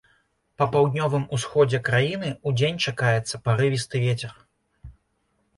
Па паўднёвым усходзе краіны удзень чакаецца парывісты вецер.